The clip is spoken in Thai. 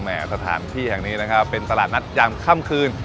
สถานที่แห่งนี้นะครับเป็นตลาดนัดยามค่ำคืน